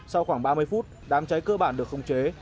sau khoảng ba mươi phút đám cháy cơ bản được khống chế